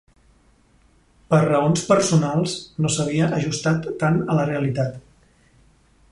"per raons personals" no s'havia ajustat tant a la realitat.